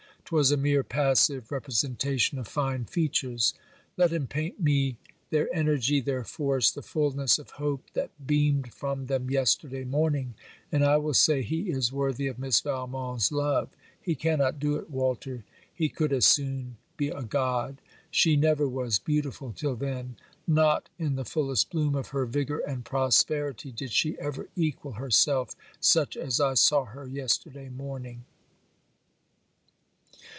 'Twas a mere passive representation of fine features. Let him paint me their energy, their force, the fulness of hope that beamed from them yesterday morning, and I will say he is worthy of Miss Valmont's love! He cannot do it, Walter! He could as soon be a god! She never was beautiful till then. Not, in the fullest bloom of her vigour and prosperity, did she ever equal herself such as I saw her yesterday morning.